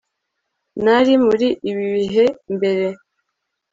nari muri ibi bihe mbere